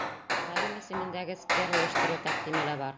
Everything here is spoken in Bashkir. Ғалим исемендәге сквер ойоштороу тәҡдиме лә бар.